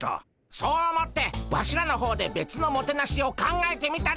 そう思ってワシらの方でべつのもてなしを考えてみたでゴンス。